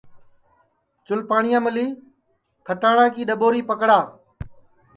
چُل پاٹؔیا میلی کھٹاٹؔا کی ڈؔٻوری پکڑا